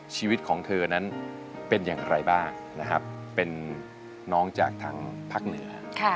ชีวิตของเธอนั้นเป็นอย่างไรบ้างนะครับเป็นน้องจากทางภาคเหนือ